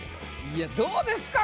いやどうですか？